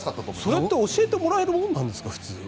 それって普通教えてもらえるものなんですか？